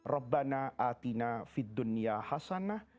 rabbana atina fid dunia hasanah